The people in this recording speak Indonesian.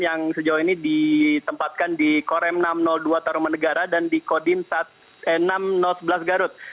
yang sejauh ini ditempatkan di korem enam ratus dua taruman negara dan di kodim enam ratus sebelas garut